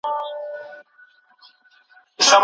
داجناسو په توليد کي پوره دقت پکار دی.